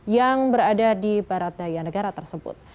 yang berada di barat daya negara tersebut